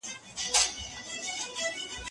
هر مشکل یو نوی درس لري.